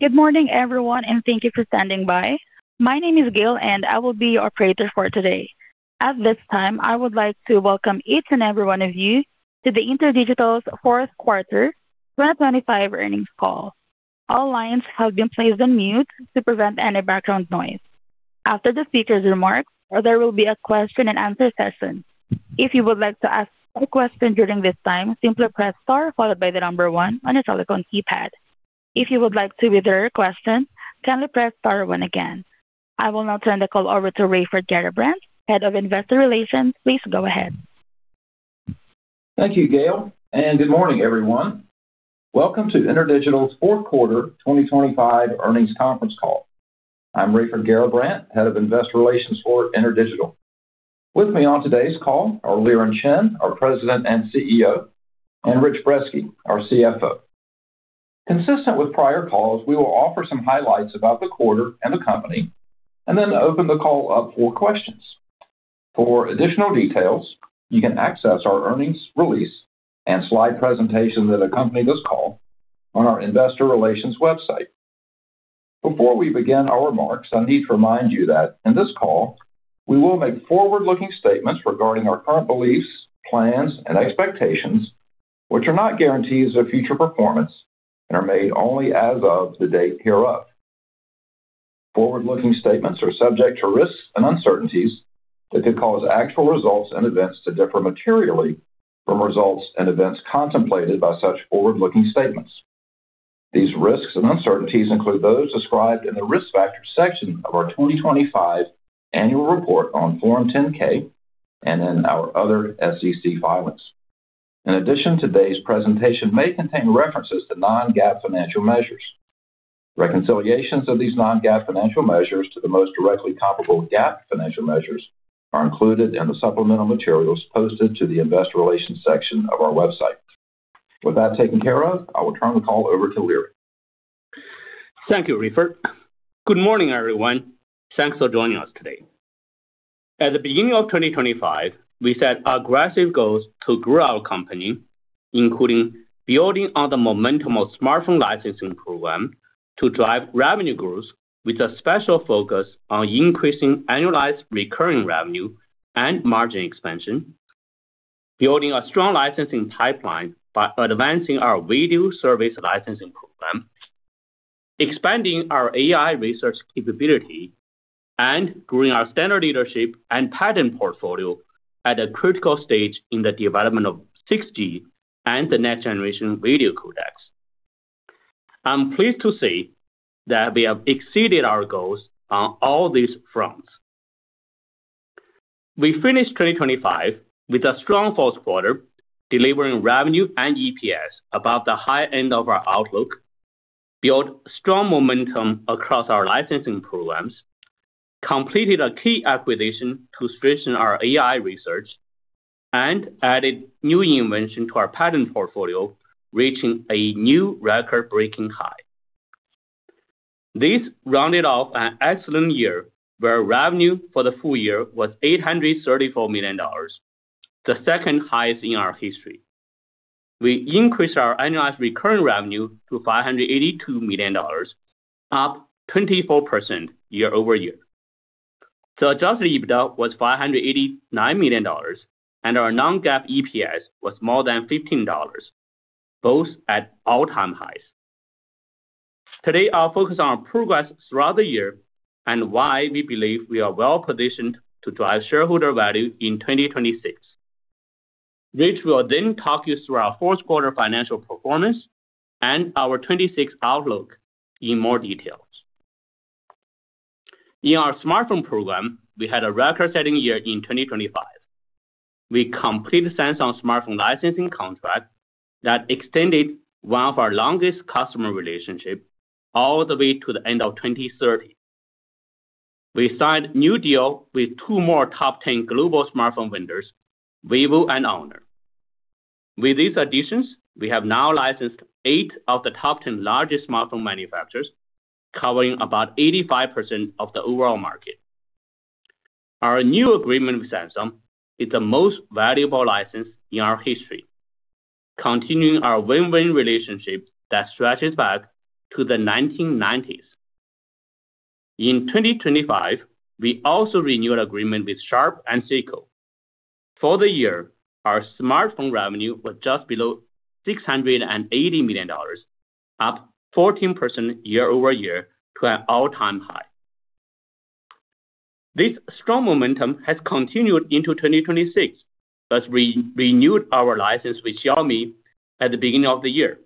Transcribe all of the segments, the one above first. Good morning, everyone, and thank you for standing by. My name is Gail, and I will be your operator for today. At this time, I would like to welcome each and every one of you to the InterDigital's fourth quarter 2025 earnings call. All lines have been placed on mute to prevent any background noise. After the speaker's remarks, there will be a question and answer session. If you would like to ask a question during this time, simply press star followed by the number one on your telephone keypad. If you would like to withdraw your question, kindly press star one again. I will now turn the call over to Raiford Garrabrant, Head of Investor Relations. Please go ahead. Thank you, Gail, and good morning, everyone. Welcome to InterDigital's fourth quarter 2025 earnings conference call. I'm Raiford Garrabrant, Head of Investor Relations for InterDigital. With me on today's call are Liren Chen, our President and CEO, and Rich Brezski, our CFO. Consistent with prior calls, we will offer some highlights about the quarter and the company, and then open the call up for questions. For additional details, you can access our earnings release and slide presentation that accompany this call on our investor relations website. Before we begin our remarks, I need to remind you that in this call we will make forward-looking statements regarding our current beliefs, plans, and expectations, which are not guarantees of future performance and are made only as of the date hereof. Forward-looking statements are subject to risks and uncertainties that could cause actual results and events to differ materially from results and events contemplated by such forward-looking statements. These risks and uncertainties include those described in the Risk Factors section of our 2025 annual report on Form 10-K and in our other SEC filings. In addition, today's presentation may contain references to non-GAAP financial measures. Reconciliations of these non-GAAP financial measures to the most directly comparable GAAP financial measures are included in the supplemental materials posted to the investor relations section of our website. With that taken care of, I will turn the call over to Liren. Thank you, Raiford. Good morning, everyone. Thanks for joining us today. At the beginning of 2025, we set aggressive goals to grow our company, including building on the momentum of Smartphone Licensing Program to drive revenue growth, with a special focus on increasing annualized recurring revenue and margin expansion, building a strong licensing pipeline by advancing our Video Service Licensing Program, expanding our AI research capability, and growing our standard leadership and patent portfolio at a critical stage in the development of 6G and the next-generation Video Codecs. I'm pleased to say that we have exceeded our goals on all these fronts. We finished 2025 with a strong fourth quarter, delivering revenue and EPS above the high end of our outlook, built strong momentum across our licensing programs, completed a key acquisition to strengthen our AI research, and added new invention to our patent portfolio, reaching a new record-breaking high. This rounded off an excellent year, where revenue for the full year was $834 million, the second highest in our history. We increased our annualized recurring revenue to $582 million, up 24% year-over-year. The Adjusted EBITDA was $589 million, and our non-GAAP EPS was more than $15, both at all-time highs. Today, I'll focus on our progress throughout the year and why we believe we are well positioned to drive shareholder value in 2026. Rich will then talk you through our fourth quarter financial performance and our 2026 outlook in more detail. In our smartphone program, we had a record-setting year in 2025. We completed signing on smartphone licensing contract that extended one of our longest customer relationship all the way to the end of 2030. We signed new deal with two more top 10 global smartphone vendors, Vivo and Honor. With these additions, we have now licensed eight of the top 10 largest smartphone manufacturers, covering about 85% of the overall market. Our new agreement with Samsung is the most valuable license in our history, continuing our win-win relationship that stretches back to the 1990s. In 2025, we also renewed agreement with Sharp and Seiko. For the year, our smartphone revenue was just below $680 million, up 14% year-over-year to an all-time high. This strong momentum has continued into 2026, as we renewed our license with Xiaomi at the beginning of the year.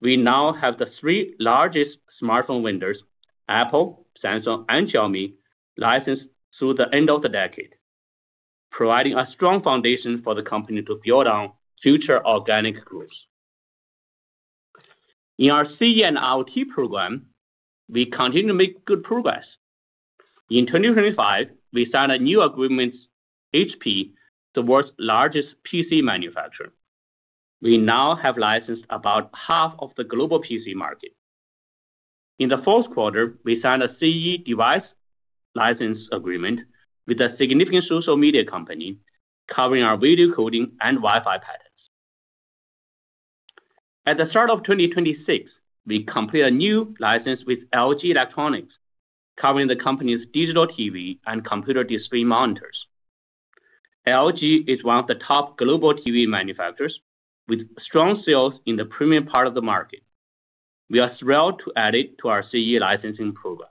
We now have the three largest smartphone vendors, Apple, Samsung and Xiaomi, licensed through the end of the decade, providing a strong foundation for the company to build on future organic growth. In our CE and IoT program, we continue to make good progress. In 2025, we signed a new agreement with HP, the world's largest PC manufacturer. We now have licensed about half of the global PC market. In the fourth quarter, we signed a CE device license agreement with a significant social media company covering our video coding and Wi-Fi patents... At the start of 2026, we completed a new license with LG Electronics, covering the company's digital TV and computer display monitors. LG is one of the top global TV manufacturers, with strong sales in the premium part of the market. We are thrilled to add it to our CE licensing program.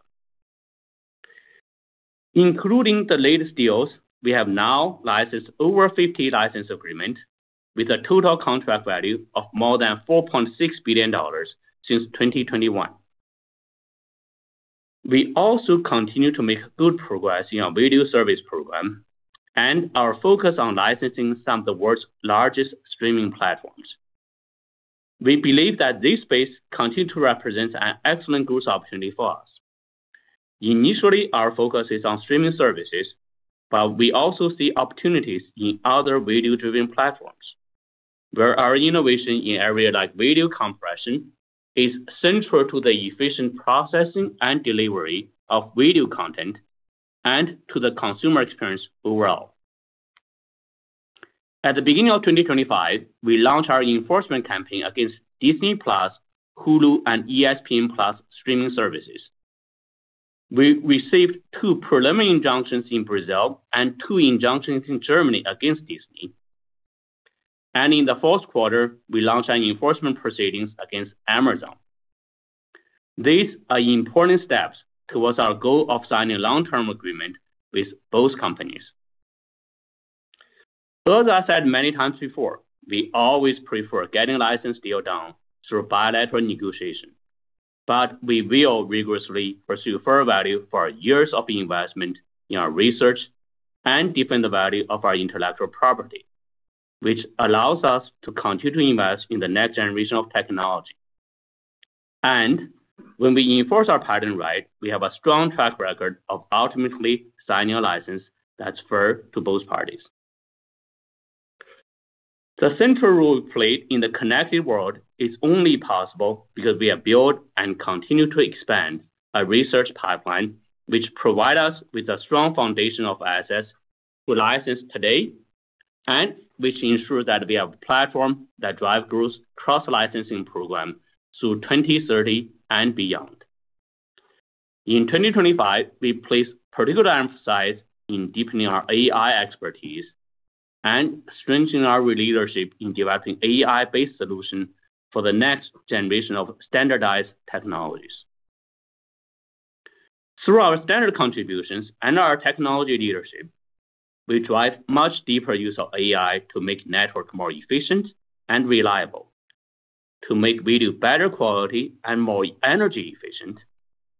Including the latest deals, we have now licensed over 50 license agreement, with a total contract value of more than $4.6 billion since 2021. We also continue to make good progress in our video service program and are focused on licensing some of the world's largest streaming platforms. We believe that this space continues to represent an excellent growth opportunity for us. Initially, our focus is on streaming services, but we also see opportunities in other video-driven platforms, where our innovation in areas like video compression is central to the efficient processing and delivery of video content and to the consumer experience overall. At the beginning of 2025, we launched our enforcement campaign against Disney+, Hulu, and ESPN+ streaming services. We received two preliminary injunctions in Brazil and two injunctions in Germany against Disney. In the fourth quarter, we launched enforcement proceedings against Amazon. These are important steps towards our goal of signing a long-term agreement with both companies. Well, as I said many times before, we always prefer getting a license deal done through bilateral negotiation, but we will rigorously pursue fair value for years of investment in our research and defend the value of our intellectual property, which allows us to continue to invest in the next generation of technology. When we enforce our patent right, we have a strong track record of ultimately signing a license that's fair to both parties. The central role played in the connected world is only possible because we have built and continue to expand our research pipeline, which provide us with a strong foundation of assets to license today, and which ensure that we have a platform that drive growth cross-licensing program through 2030 and beyond. In 2025, we placed particular emphasis on deepening our AI expertise and strengthening our leadership in developing AI-based solutions for the next generation of standardized technologies. Through our standards contributions and our technology leadership, we drive much deeper use of AI to make networks more efficient and reliable, to make video better quality and more energy efficient,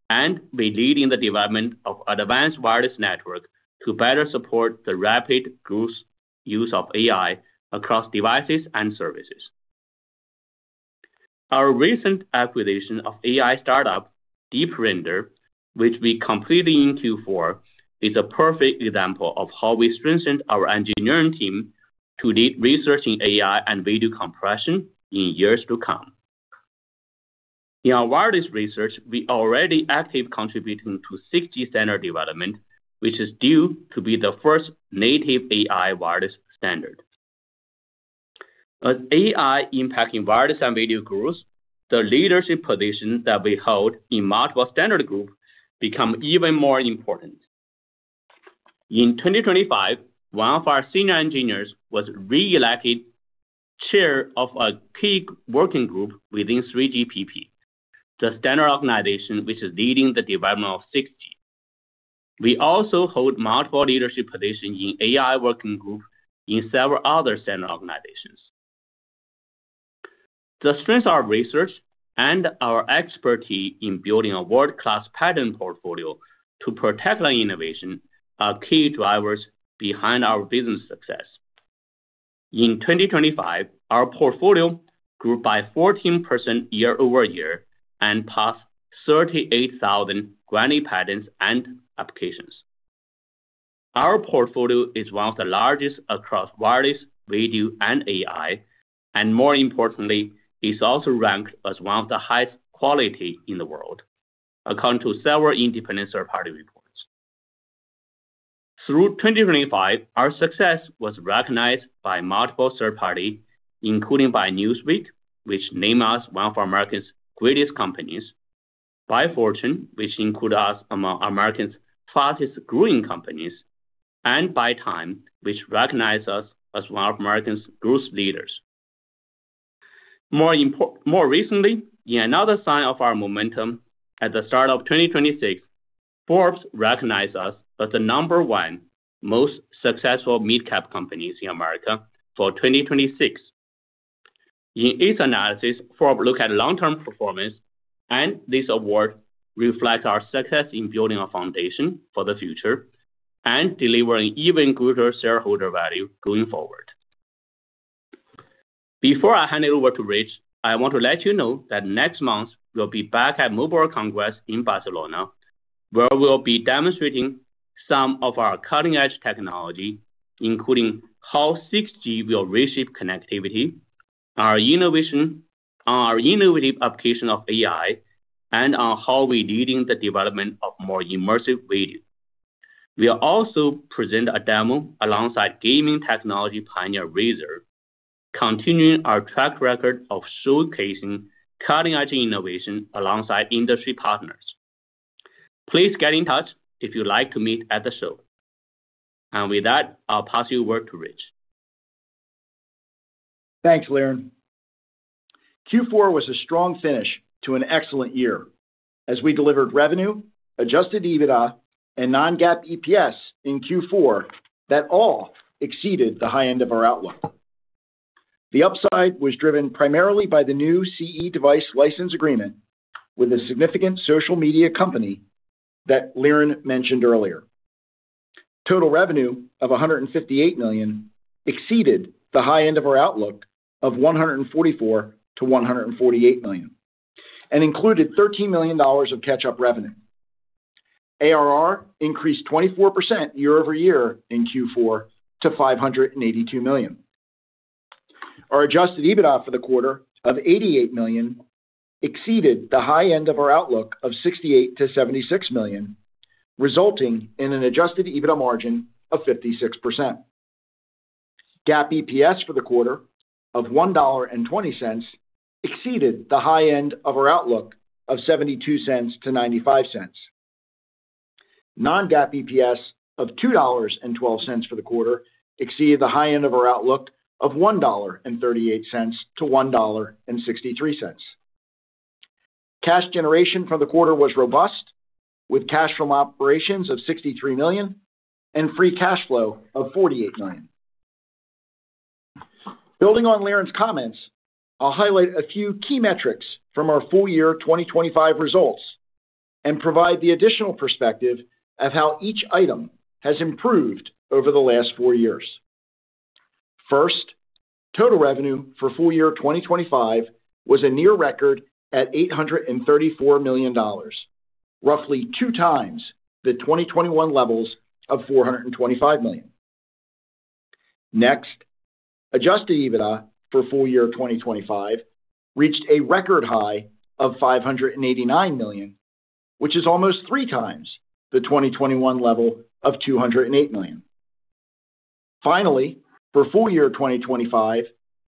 and we lead in the development of advanced wireless networks to better support the rapidly growing use of AI across devices and services. Our recent acquisition of AI startup, Deep Render, which we completed in Q4, is a perfect example of how we strengthened our engineering team to lead research in AI and video compression in years to come. In our wireless research, we are already actively contributing to 6G standards development, which is due to be the first native AI wireless standard. As AI impacting wireless and video growth, the leadership positions that we hold in multiple standards groups become even more important. In 2025, one of our senior engineers was reelected chair of a key working group within 3GPP, the standards organization which is leading the development of 6G. We also hold multiple leadership positions in AI working groups in several other standards organizations. The strength of our research and our expertise in building a world-class patent portfolio to protect our innovation are key drivers behind our business success. In 2025, our portfolio grew by 14% year-over-year and passed 38,000 granted patents and applications. Our portfolio is one of the largest across wireless, video, and AI, and more importantly, is also ranked as one of the highest quality in the world, according to several independent third-party reports. Through 2025, our success was recognized by multiple third party, including by Newsweek, which named us one of America's greatest companies, by Fortune, which included us among America's fastest growing companies, and by Time, which recognized us as one of America's growth leaders. More recently, in another sign of our momentum, at the start of 2026, Forbes recognized us as the number one most successful mid-cap companies in America for 2026. In its analysis, Forbes looked at long-term performance, and this award reflects our success in building a foundation for the future and delivering even greater shareholder value going forward. Before I hand it over to Rich, I want to let you know that next month, we'll be back at Mobile Congress in Barcelona, where we'll be demonstrating some of our cutting-edge technology, including how 6G will reshape connectivity, our innovation, our innovative application of AI, and on how we're leading the development of more immersive video.... We'll also present a demo alongside gaming technology pioneer Razer, continuing our track record of showcasing cutting-edge innovation alongside industry partners. Please get in touch if you'd like to meet at the show. And with that, I'll pass you over to Rich. Thanks, Liren. Q4 was a strong finish to an excellent year as we delivered revenue, adjusted EBITDA, and non-GAAP EPS in Q4 that all exceeded the high end of our outlook. The upside was driven primarily by the new CE device license agreement with a significant social media company that Liren mentioned earlier. Total revenue of $158 million exceeded the high end of our outlook of $144-148 million, and included $13 million of catch-up revenue. ARR increased 24% year-over-year in Q4 to $582 million. Our adjusted EBITDA for the quarter of $88 million exceeded the high end of our outlook of $68-76 million, resulting in an adjusted EBITDA margin of 56%. GAAP EPS for the quarter of $1.20 exceeded the high end of our outlook of $0.72-0.95. Non-GAAP EPS of $2.12 for the quarter exceeded the high end of our outlook of $1.38-1.63. Cash generation for the quarter was robust, with cash from operations of $63 million and free cash flow of $48 million. Building on Liren's comments, I'll highlight a few key metrics from our full year 2025 results and provide the additional perspective of how each item has improved over the last four years. First, total revenue for full year 2025 was a near record at $834 million, roughly 2x the 2021 levels of $425 million. Next, Adjusted EBITDA for full year 2025 reached a record high of $589 million, which is almost 3x the 2021 level of $208 million. Finally, for full year 2025,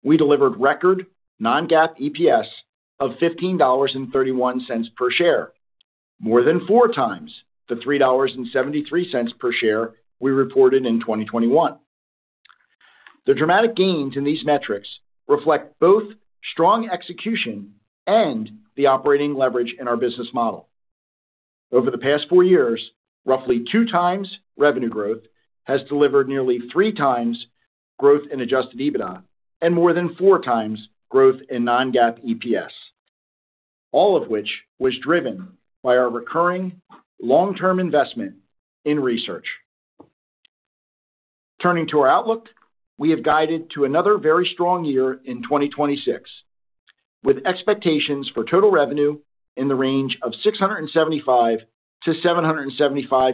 we delivered record Non-GAAP EPS of $15.31 per share, more than 4x the $3.73 per share we reported in 2021. The dramatic gains in these metrics reflect both strong execution and the operating leverage in our business model. Over the past 4 years, roughly 2x revenue growth has delivered nearly 3x growth in Adjusted EBITDA and more than 4x growth in Non-GAAP EPS, all of which was driven by our recurring long-term investment in research. Turning to our outlook, we have guided to another very strong year in 2026, with expectations for total revenue in the range of $675-775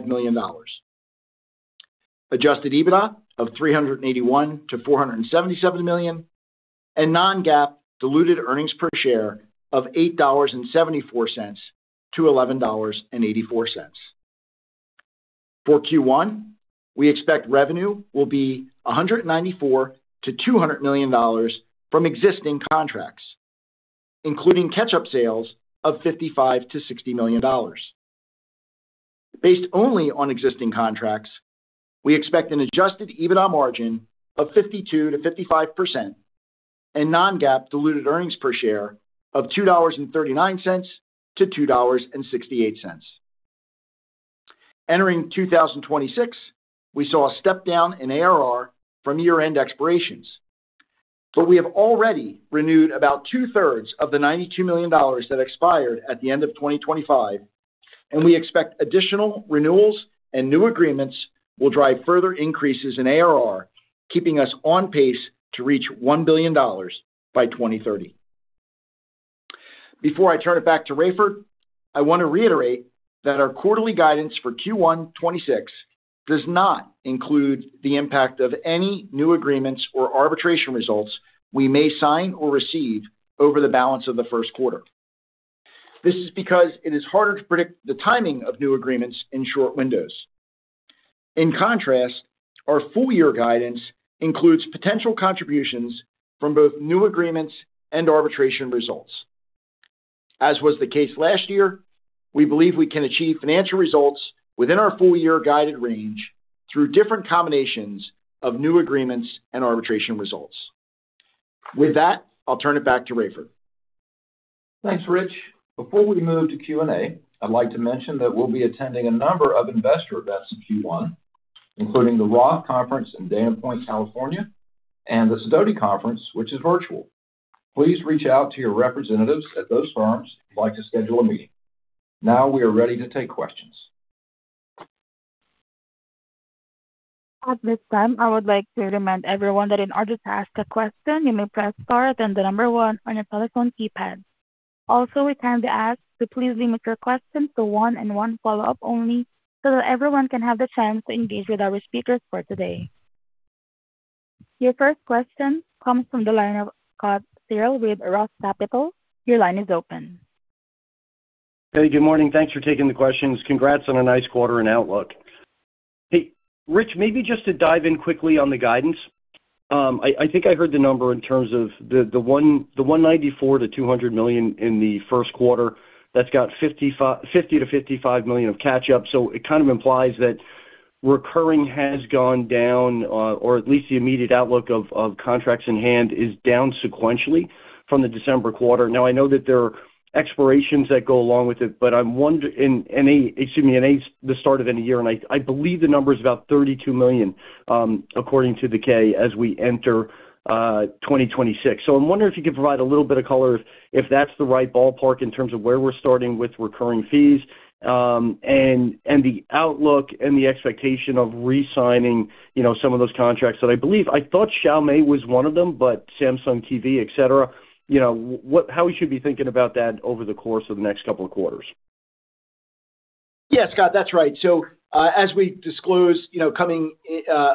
million, Adjusted EBITDA of $381-477 million, and Non-GAAP diluted earnings per share of $8.74-11.84. For Q1, we expect revenue will be $194-200 million from existing contracts, including catch-up sales of $55-60 million. Based only on existing contracts, we expect an Adjusted EBITDA margin of 52%-55% and Non-GAAP diluted earnings per share of $2.39-$2.68. Entering 2026, we saw a step down in ARR from year-end expirations, but we have already renewed about two-thirds of the $92 million that expired at the end of 2025, and we expect additional renewals and new agreements will drive further increases in ARR, keeping us on pace to reach $1 billion by 2030. Before I turn it back to Raiford, I want to reiterate that our quarterly guidance for Q1 2026 does not include the impact of any new agreements or arbitration results we may sign or receive over the balance of the first quarter. This is because it is harder to predict the timing of new agreements in short windows. In contrast, our full year guidance includes potential contributions from both new agreements and arbitration results. As was the case last year, we believe we can achieve financial results within our full-year guided range through different combinations of new agreements and arbitration results. With that, I'll turn it back to Raiford. Thanks, Rich. Before we move to Q&A, I'd like to mention that we'll be attending a number of investor events in Q1, including the Roth Conference in Dana Point, California, and the Sidoti Conference, which is virtual. Please reach out to your representatives at those firms if you'd like to schedule a meeting. Now, we are ready to take questions. At this time, I would like to remind everyone that in order to ask a question, you may press star, then the number one on your telephone keypad. Also, we kindly ask to please limit your questions to one and one follow-up only, so that everyone can have the chance to engage with our speakers for today.... Your first question comes from the line of Scott Searle with Roth Capital. Your line is open. Hey, good morning. Thanks for taking the questions. Congrats on a nice quarter and outlook. Hey, Rich, maybe just to dive in quickly on the guidance. I think I heard the number in terms of the $194-200 million in the first quarter. That's got $50-55 million of catch up. So it kind of implies that recurring has gone down, or at least the immediate outlook of contracts in hand is down sequentially from the December quarter. Now, I know that there are expirations that go along with it, but I'm wondering in the start of any year, and I believe the number is about $32 million, according to the K, as we enter 2026. So I'm wondering if you could provide a little bit of color, if that's the right ballpark in terms of where we're starting with recurring fees, and the outlook and the expectation of re-signing, you know, some of those contracts that I believe. I thought Xiaomi was one of them, but Samsung TV, etc., you know, what, how we should be thinking about that over the course of the next couple of quarters? Yeah, Scott, that's right. So, as we disclosed, you know, coming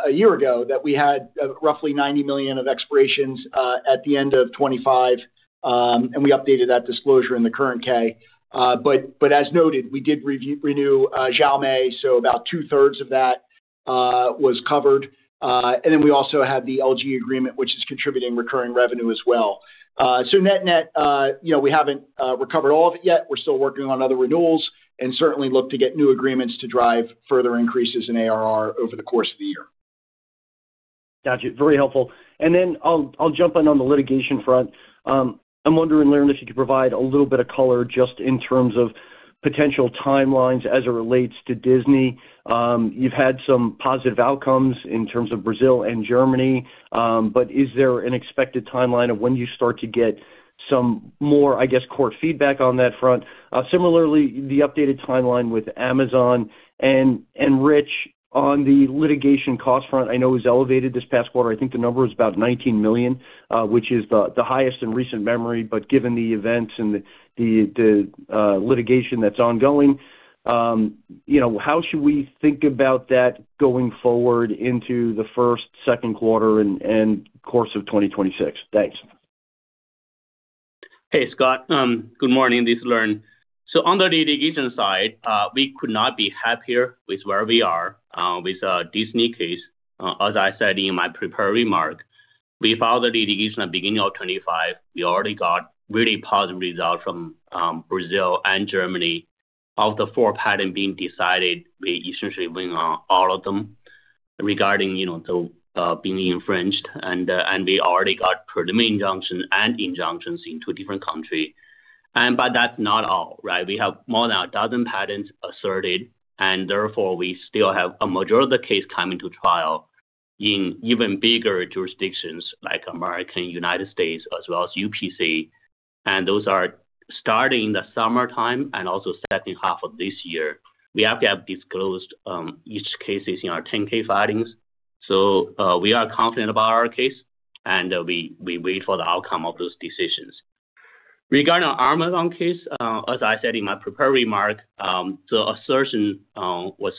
a year ago, that we had roughly $90 million of expirations at the end of 2025, and we updated that disclosure in the current K. But as noted, we did renew Xiaomi, so about 2/3 of that was covered. And then we also had the LG agreement, which is contributing recurring revenue as well. So net-net, you know, we haven't recovered all of it yet. We're still working on other renewals, and certainly look to get new agreements to drive further increases in ARR over the course of the year. Got you. Very helpful. And then I'll jump in on the litigation front. I'm wondering, Liren, if you could provide a little bit of color just in terms of potential timelines as it relates to Disney. You've had some positive outcomes in terms of Brazil and Germany, but is there an expected timeline of when you start to get some more, I guess, court feedback on that front? Similarly, the updated timeline with Amazon. And Rich, on the litigation cost front, I know it was elevated this past quarter. I think the number is about $19 million, which is the highest in recent memory, but given the events and the litigation that's ongoing, you know, how should we think about that going forward into the first and second quarters and the course of 2026? Thanks. Hey, Scott. Good morning. This is Liren. So on the litigation side, we could not be happier with where we are with our Disney case. As I said in my prepared remark, we filed the litigation at beginning of 2025. We already got really positive results from Brazil and Germany. Of the four patents being decided, we essentially win on all of them regarding, you know, the being infringed, and we already got preliminary injunction and injunctions in two different countries. But that's not all, right? We have more than a dozen patents asserted, and therefore, we still have a majority of the case coming to trial in even bigger jurisdictions like America, United States as well as UPC, and those are starting in the summertime and also second half of this year. We have to have disclosed each case in our 10-K filings, so we are confident about our case, and we wait for the outcome of those decisions. Regarding our Amazon case, as I said in my prepared remark, the assertion was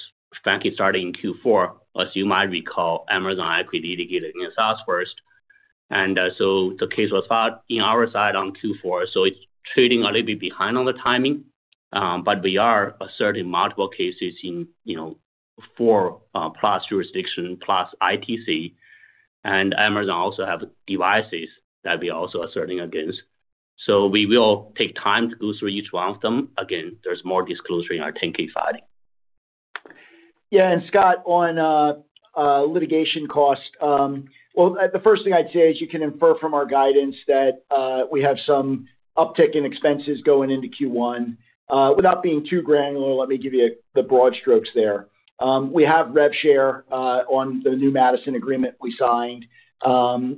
frankly starting in Q4. As you might recall, Amazon actually litigated against us first, and so the case was filed on our side in Q4, so it's trailing a little bit behind on the timing, but we are asserting multiple cases in, you know, four plus jurisdictions, plus ITC. And Amazon also has devices that we're also asserting against. So we will take time to go through each one of them. Again, there's more disclosure in our 10-K filing. Yeah, and Scott, on litigation cost, well, the first thing I'd say is you can infer from our guidance that we have some uptick in expenses going into Q1. Without being too granular, let me give you the broad strokes there. We have rev share on the New Madison agreement we signed. You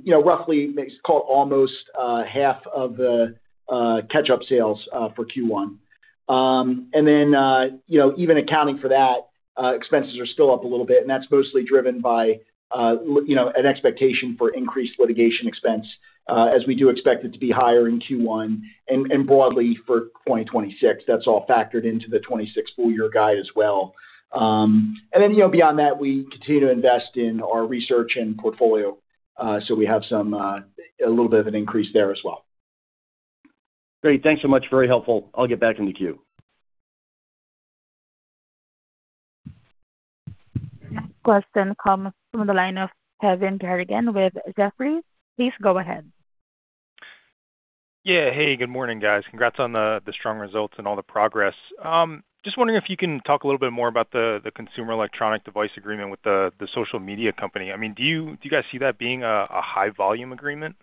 know, roughly makes call almost half of the catch-up sales for Q1. And then, you know, even accounting for that, expenses are still up a little bit, and that's mostly driven by you know, an expectation for increased litigation expense, as we do expect it to be higher in Q1 and broadly for 2026. That's all factored into the 2026 full year guide as well. And then, you know, beyond that, we continue to invest in our research and portfolio, so we have some a little bit of an increase there as well. Great. Thanks so much. Very helpful. I'll get back in the queue. Question comes from the line of Kevin Garrigan with Jefferies. Please go ahead. Yeah. Hey, good morning, guys. Congrats on the, the strong results and all the progress. Just wondering if you can talk a little bit more about the, the consumer electronic device agreement with the, the social media company. I mean, do you, do you guys see that being a, a high volume agreement?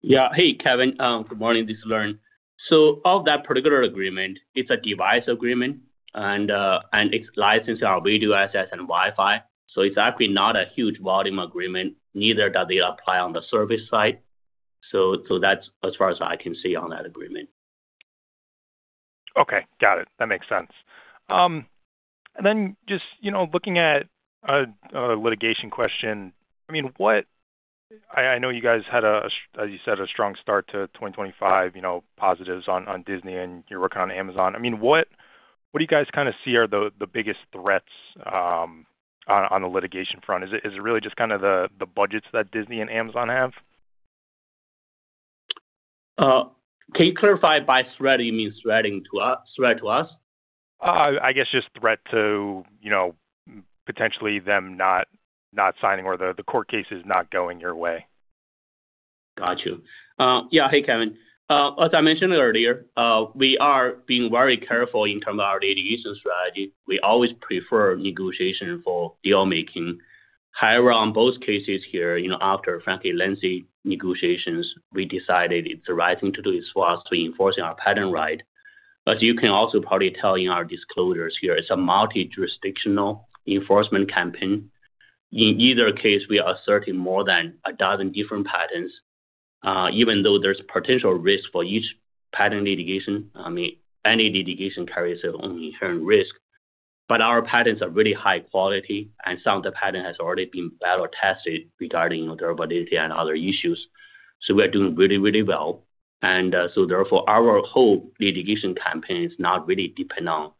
Yeah. Hey, Kevin, good morning. This is Liren. So of that particular agreement, it's a device agreement, and, and it's licensed our radio assets and Wi-Fi, so it's actually not a huge volume agreement, neither does it apply on the service side. So, so that's as far as I can see on that agreement. Okay, got it. That makes sense. And then just, you know, looking at a litigation question, I mean, what-... I know you guys had, as you said, a strong start to 2025, you know, positives on Disney, and you're working on Amazon. I mean, what do you guys kind of see are the biggest threats on the litigation front? Is it really just kind of the budgets that Disney and Amazon have? Can you clarify by threat, you mean threatening to us, threat to us? I guess just threat to, you know, potentially them not signing or the court cases not going your way. Got you. Yeah, hey, Kevin. As I mentioned earlier, we are being very careful in terms of our litigation strategy. We always prefer negotiation for deal making. However, on both cases here, you know, after frankly, lengthy negotiations, we decided it's the right thing to do is for us to enforcing our patent right. As you can also probably tell in our disclosures here, it's a multi-jurisdictional enforcement campaign. In either case, we are asserting more than a dozen different patents, even though there's potential risk for each patent litigation. I mean, any litigation carries its own inherent risk. But our patents are really high quality, and some of the patent has already been battle tested regarding their validity and other issues. So we are doing really, really well. So therefore, our whole litigation campaign is not really depend on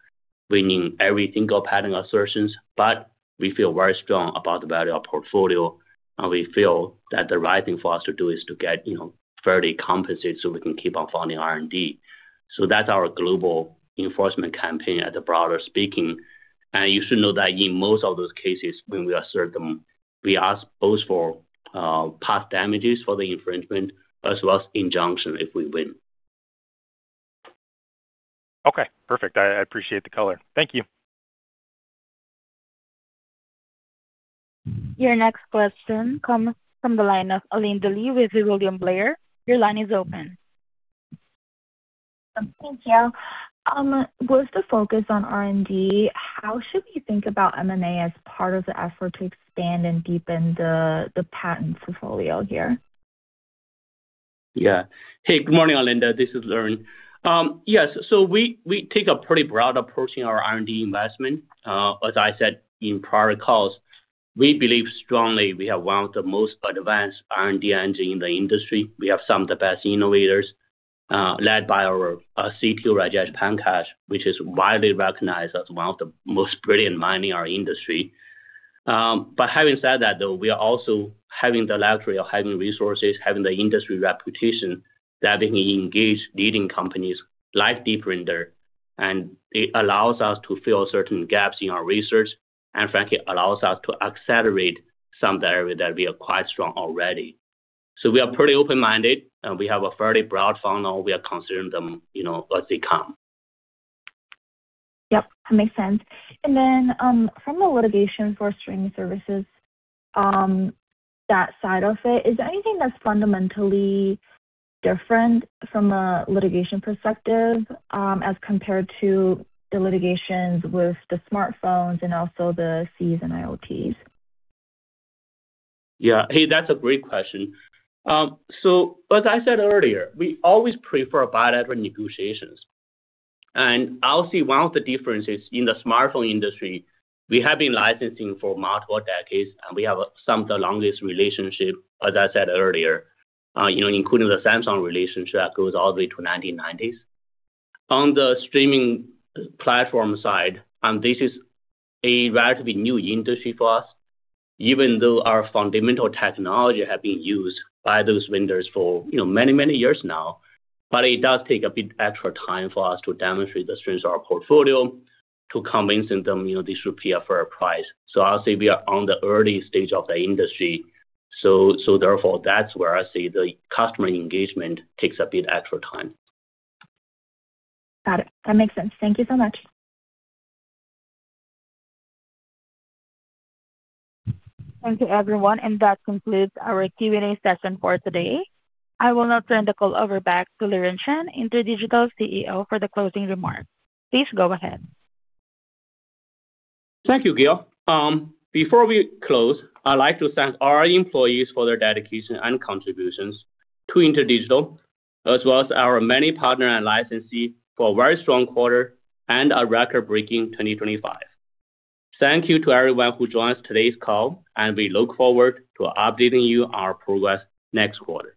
winning every single patent assertions, but we feel very strong about the value of portfolio, and we feel that the right thing for us to do is to get, you know, fairly compensated, so we can keep on funding R&D. So that's our global enforcement campaign at the broader speaking. And you should know that in most of those cases, when we assert them, we ask both for past damages for the infringement as well as injunction if we win. Okay, perfect. I appreciate the color. Thank you. Your next question comes from the line of Olinda Lee with William Blair. Your line is open. Thank you. With the focus on R&D, how should we think about M&A as part of the effort to expand and deepen the patent portfolio here? Yeah. Hey, good morning, Olinda. This is Lauren. Yes, so we take a pretty broad approach in our R&D investment. As I said in prior calls, we believe strongly we have one of the most advanced R&D engine in the industry. We have some of the best innovators, led by our CTO, Rajesh Pankaj, which is widely recognized as one of the most brilliant mind in our industry. But having said that, though, we are also having the luxury of having resources, having the industry reputation, that we engage leading companies like Deep Render, and it allows us to fill certain gaps in our research, and frankly, allows us to accelerate some area that we are quite strong already. So we are pretty open-minded, and we have a fairly broad funnel. We are considering them, you know, as they come. Yep, that makes sense. And then, from a litigation for streaming services, that side of it, is there anything that's fundamentally different from a litigation perspective, as compared to the litigations with the smartphones and also the CEs and IoTs? Yeah. Hey, that's a great question. So as I said earlier, we always prefer bilateral negotiations, and I'll say one of the differences in the smartphone industry, we have been licensing for multiple decades, and we have some of the longest relationship, as I said earlier, you know, including the Samsung relationship that goes all the way to 1990s. On the streaming platform side, and this is a relatively new industry for us, even though our fundamental technology have been used by those vendors for, you know, many, many years now. But it does take a bit extra time for us to demonstrate the strength of our portfolio, to convince them, you know, this should pay a fair price. So I'll say we are on the early stage of the industry, so, so therefore, that's where I see the customer engagement takes a bit extra time. Got it. That makes sense. Thank you so much. Thank you, everyone, and that concludes our Q&A session for today. I will now turn the call over back to Liren Chen, InterDigital's CEO, for the closing remarks. Please go ahead. Thank you, Gail. Before we close, I'd like to thank all our employees for their dedication and contributions to InterDigital, as well as our many partner and licensee, for a very strong quarter and a record-breaking 2025. Thank you to everyone who joined us today's call, and we look forward to updating you on our progress next quarter.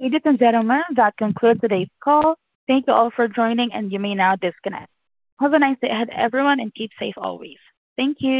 Ladies and gentlemen, that concludes today's call. Thank you all for joining, and you may now disconnect. Have a nice day ahead, everyone, and keep safe always. Thank you.